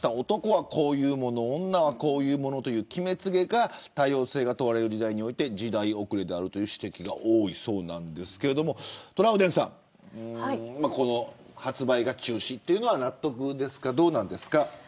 男はこういうもの女はこういうものという決めつけが多様性が問われる時代において時代遅れであるという指摘が多いそうなんですけれどもトラウデンさん、この発売が中止っていうのは納得ですかどうなんですか。